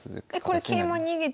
えこれ桂馬逃げても。